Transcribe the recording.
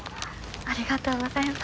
ありがとうございます。